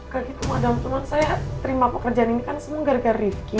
gak gitu madal tuhan saya terima pekerjaan ini kan semua gara gara rifki